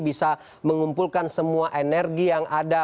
bisa mengumpulkan semua energi yang ada